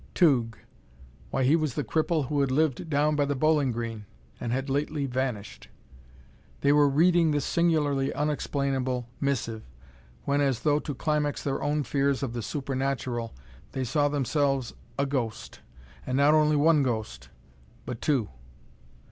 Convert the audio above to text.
Tugh why he was the cripple who had lived down by the Bowling Green, and had lately vanished! They were reading this singularly unexplainable missive, when as though to climax their own fears of the supernatural they saw themselves a ghost! And not only one ghost, but two!